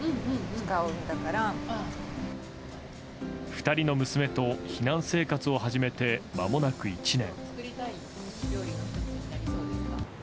２人の娘と避難生活を始めてまもなく１年。